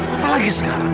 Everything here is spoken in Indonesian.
apa lagi sekarang